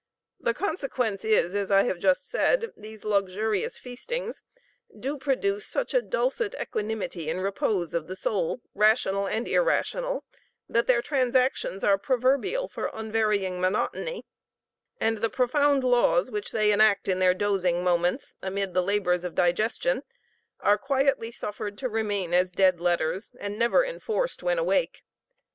The consequence is, as I have just said, these luxurious feastings do produce such a dulcet equanimity and repose of the soul, rational and irrational, that their transactions are proverbial for unvarying monotony; and the profound laws which they enact in their dozing moments, amid the labors of digestion, are quietly suffered to remain as dead letters, and never enforced when awake.